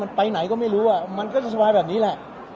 มันไปไหนก็ไม่รู้มันก็จะสบายแบบนี้แหละ